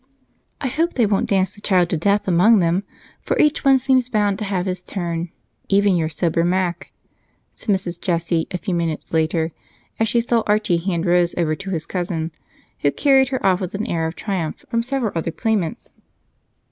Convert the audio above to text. "I hope they won't dance the child to death among them, for each one seems bound to have his turn, even your sober Mac," said Mrs. Jessie a few minutes later as she saw Archie hand Rose over to his cousin, who carried her off with an air of triumph from several other claimants.